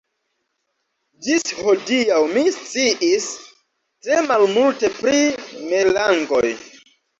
Ĝis hodiaŭ mi sciis tre malmulte pri merlangoj.